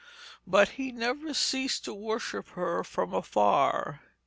But he never ceased to worship her from afar.